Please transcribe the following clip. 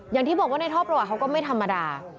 อย่างที่บอกว่าในท่อประวัติเขาก็ไม่ธรรมดา